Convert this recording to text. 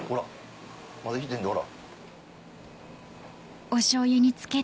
まだ生きてんだほら。